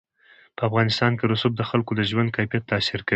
په افغانستان کې رسوب د خلکو د ژوند کیفیت تاثیر کوي.